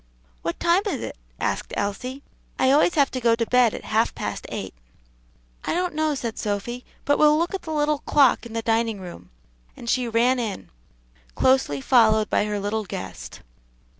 "What time is it?" asked Elsie. "I always have to go to bed at half past eight." "I don't know," said Sophy, "but we'll look at the clock in the dining room," and she ran in, closely followed by her little guest.